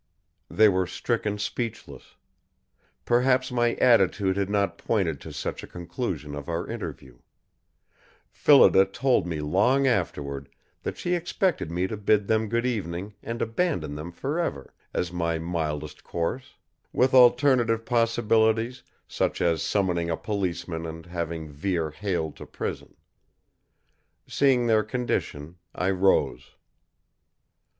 They were stricken speechless. Perhaps my attitude had not pointed to such a conclusion of our interview. Phillida told me long afterward that she expected me to bid them good evening and abandon them forever, as my mildest course; with alternative possibilities such as summoning a policeman and having Vere haled to prison. Seeing their condition, I rose.